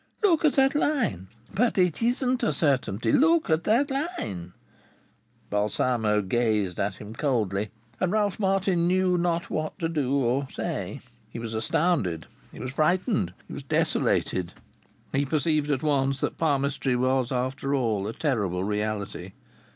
Look at that line. But it isn't a certainty. Look at that line!" Balsamo gazed at him coldly, and Ralph Martin knew not what to do or to say. He was astounded; he was frightened; he was desolated. He perceived at once that palmistry was after all a terrible reality.